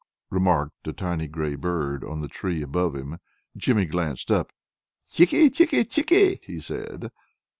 remarked a tiny gray bird on the tree above him. Jimmy glanced up. "Chickie, Chickie, Chickie," he said.